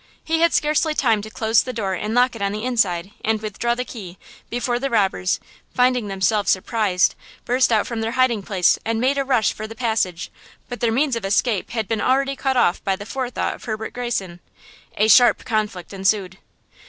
He had scarcely tie to close the door and lock it on the inside, and withdraw the key, before the robbers, finding themselves surprised, burst out from their hiding place and made a rush for the passage; but their means of escape had been already cut off by the forethought of Herbert Greyson. A sharp conflict ensued.